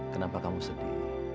kenapa kamu sedih